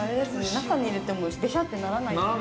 中に入れても、べしゃってならないんですね。